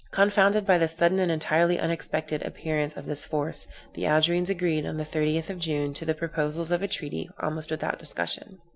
Confounded by the sudden and entirely unexpected appearance of this force, the Algerines agreed, on the 30th of June, to the proposals of a treaty, almost without discussion.